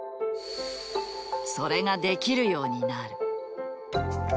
それができるようになる。